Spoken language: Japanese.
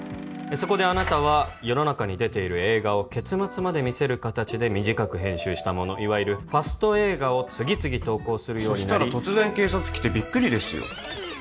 そこであなたは世の中に出ている映画を結末まで見せる形で短く編集したものいわゆるファスト映画を次々投稿するようになりそしたら突然警察来てビックリですよ